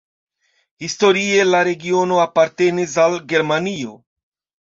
Historie la regiono apartenis al Germanio.